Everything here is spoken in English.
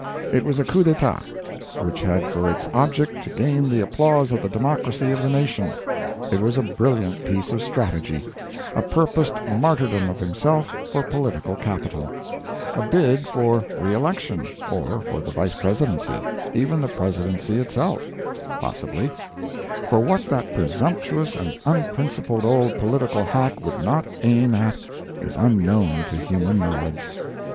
It was a coup d'etat, which had for its object to gain the applause of the Democracy of the nation—it was a brilliant piece of strategy, a purposed martyrdom of himself for political capital—a bid for reelection, or for the Vice Presidency—even the Presidency itself, possibly, for what that presumptuous and unprincipled old political hack would not aim at is unknown to human knowledge.